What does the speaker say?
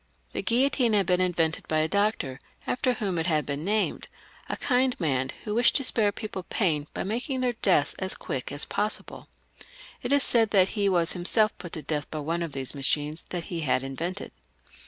The guillotine had been invented by a doctor after whom it had been named — a kind man who wished to spare people pain by making their deaths as quick as possible. It is said that he was himself put to death by one of these machines that he had invented.